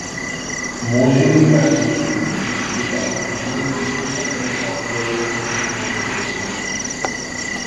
মৌসুমি বায়ুর জন্য বৃষ্টিপাত জুনের তৃতীয় সপ্তাহ থেকে অক্টোবরের প্রথম সপ্তাহ পর্যন্ত ঘটে।